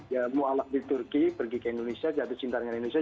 ya mu'alaf di turki pergi ke indonesia jatuh cinta dengan indonesia